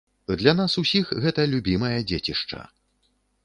Для нас усіх гэта любімае дзецішча.